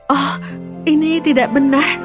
oh ini tidak benar